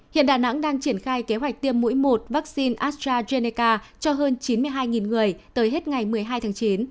hiện đà nẵng đang triển khai kế hoạch tiêm mũi một vaccine astrazeneca cho hơn chín mươi hai người tới hết ngày một mươi hai tháng chín